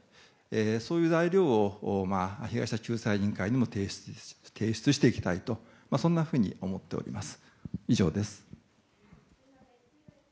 そういう材料を被害者救済委員会に提出していきたいとそんなふうに思っております。